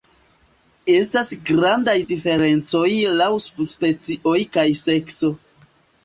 Estas grandaj diferencoj laŭ subspecioj kaj sekso.